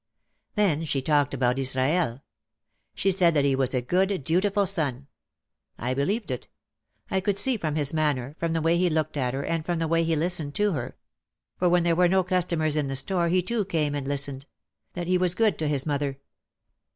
Then she talked about Israel. She said that he was a good, dutiful son. I believed it. I could see from his manner, from the way he looked at her and from the way he listened to her, — for when there were no customers in the store he too came and listened, — that he was good to his mother.